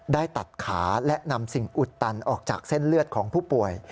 ได้ตัดขาและนำสิ่งอุดตันออกจากเส้นเลือดของผู้ป่วย